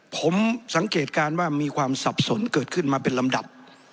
ผมสังเกตการณ์ว่ามีความสับสนเกิดขึ้นมาเป็นลำดับ